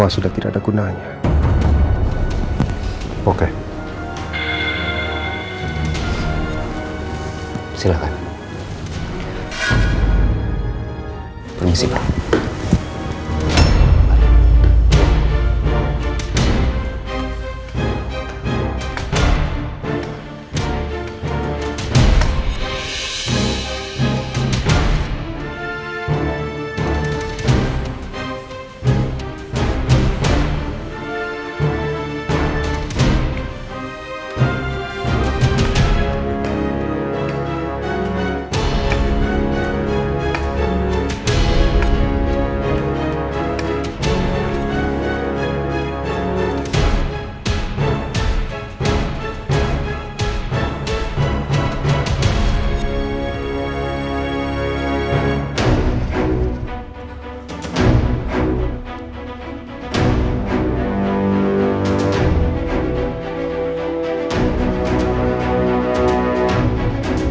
buat apa aku memikirkan anak itu lagi